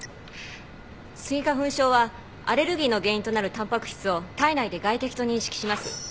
スギ花粉症はアレルギーの原因となるタンパク質を体内で外敵と認識します。